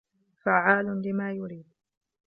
فعال لما يريد